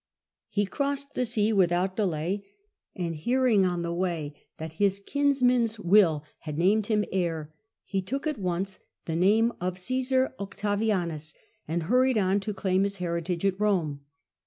He crossed the sea without delay ; and hearing on his way that his kinsman's will had named him heir, he took at once the name, of Caesar Octavianus, and hurried on to claim his heritage at Rome.